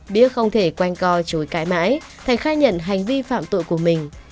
biết không thể quanh co chối cãi mãi thành khai nhận hành vi phạm tội của mình